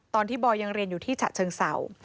ตอนที่บอยยังเรียนอยู่ที่ฉะเชิงเศร้า